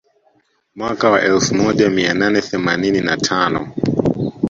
Mwaka wa elfu moja mia nane themanini na tano